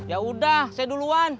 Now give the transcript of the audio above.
ya udah saya duluan